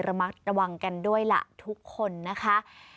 ระมัดระวังกันด้วยล่ะทุกคนนะคะ